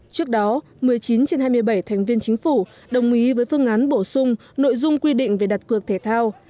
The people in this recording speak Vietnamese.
trước đó một mươi chín trên hai mươi bảy thành viên chính phủ đồng ý với phương án bổ sung nội dung quy định về đặt cược thể thao